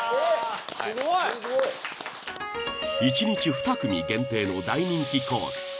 １日２組限定の大人気コース